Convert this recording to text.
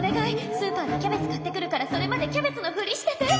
スーパーでキャベツ買ってくるからそれまでキャベツのフリしてて。